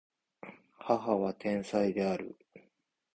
母は天才である